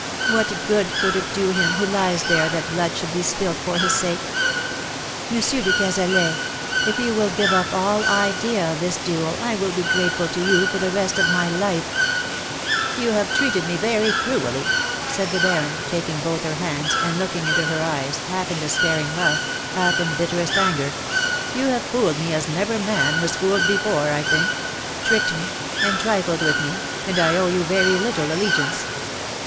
What good could it do him who lies there that blood should be spilt for # his sake ? Monsieur de Cazalet,, if you will give up all idea of this duel I will be grateful to you for the rest of my life/^ ^* You have treated me very cruelly/^ said the Baron, taking both her hands, and looking into her eyes, half in despairing love, half in bitterest anger ; "you have fooled me as never man was fooled before, I think — tricked me — and trifled with me — and I owe you very little allegiance.